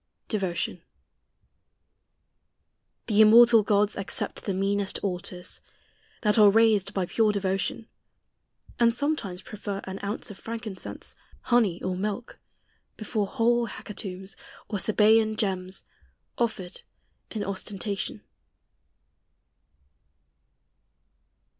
DEVOTION. The immortal gods Accept the meanest altars, that are raised By pure devotion ; and sometimes prefer An ounce of frankincense, honey, or milk, Before whole hecatombs, or Sabsean gems, Offered in ostentation.